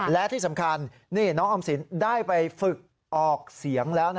และที่สำคัญนี่น้องออมสินได้ไปฝึกออกเสียงแล้ว